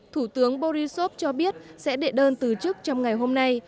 thủ tướng borisov cho biết sẽ đệ đơn từ chức trong ngày hôm nay